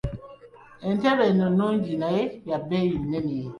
Entebe eno nnungi naye ya bbeeyi nnene.